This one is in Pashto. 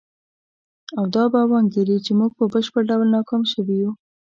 او دا به وانګیري چې موږ په بشپړ ډول ناکام شوي یو.